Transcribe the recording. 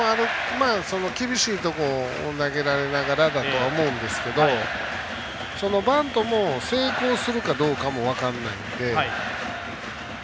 厳しいところを投げられながらだと思うんですがバントも、成功するかどうかも分からないので。